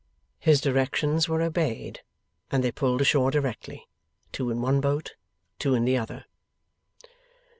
His directions were obeyed, and they pulled ashore directly; two in one boat, two in the other.